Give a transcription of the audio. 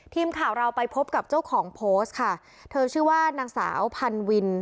ทีมข่าวเราไปพบกับเจ้าของโพสต์ค่ะเธอชื่อว่านางสาวพันวิน